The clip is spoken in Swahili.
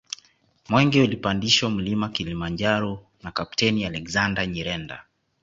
Mwenge ulipandishwa Mlima Kilimanjaro na Kapteni Alexander Nyirenda